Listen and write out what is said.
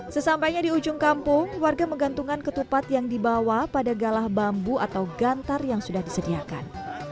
sesampainya di ujung kampung warga menggantungkan ketupat yang dibawa pada galah bambu atau gantar yang sudah disediakan